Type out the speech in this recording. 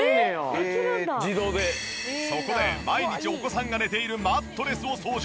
そこで毎日お子さんが寝ているマットレスを掃除。